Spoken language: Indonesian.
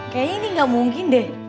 kayaknya ini gak mungkin deh